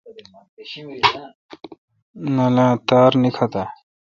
نننالاں تار نیکتہ۔؟